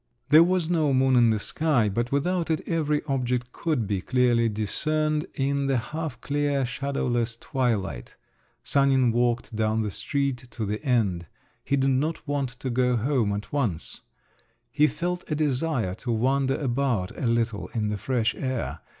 There was no moon in the sky, but without it every object could be clearly discerned in the half clear, shadowless twilight. Sanin walked down the street to the end … He did not want to go home at once; he felt a desire to wander about a little in the fresh air.